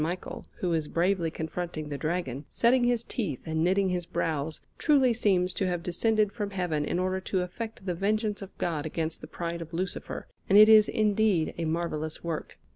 Michael, who is bravely confronting the Dragon, setting his teeth and knitting his brows, truly seems to have descended from Heaven in order to effect the vengeance of God against the pride of Lucifer, and it is indeed a marvellous work.